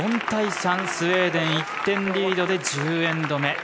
４対３、スウェーデン１点リードで１０エンド目。